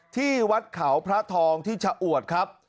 ที่วัดเขาพระทองที่ชะอวดครับ